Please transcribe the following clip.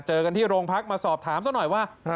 เจอกันที่โรงพักมาสอบถามซะหน่อยว่า